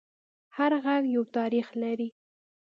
هر غږ یو تاریخ لري